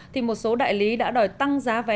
thì một số đại lý đã đòi tăng giá vé